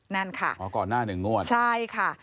นั่นค่ะอ๋อก่อนหน้าหนึ่งงวดใช่ค่ะ